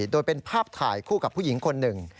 โดยเป็นภาพถ่ายคู่กับผู้หญิงคนหนึ่ง